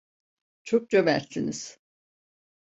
Çok cömertsiniz.